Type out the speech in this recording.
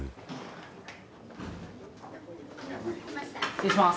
失礼します。